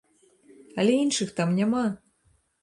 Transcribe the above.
Але іншых там няма!